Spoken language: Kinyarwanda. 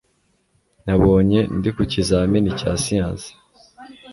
nabonye d ku kizamini cya siyanse